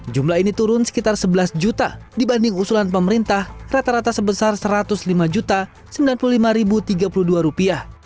jumlah ini turun sekitar rp sebelas dibanding usulan pemerintah rata rata sebesar rp satu ratus lima sembilan puluh lima tiga puluh dua